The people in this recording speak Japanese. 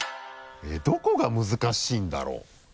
どこが難しいんだろう？